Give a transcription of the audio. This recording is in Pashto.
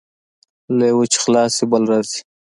له یوه چې خلاص شې، بل راځي.